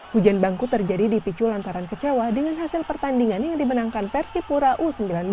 hujan bangku terjadi dipicu lantaran kecewa dengan hasil pertandingan yang dimenangkan persipura u sembilan belas